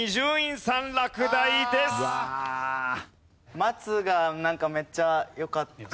「松」がなんかめっちゃよかった。